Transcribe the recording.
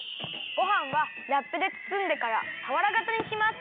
ごはんはラップでつつんでからたわらがたにします。